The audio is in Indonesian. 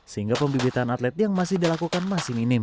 sehingga pembibitan atlet yang masih dilakukan masih minim